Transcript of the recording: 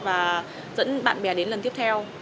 và dẫn bạn bè đến lần tiếp theo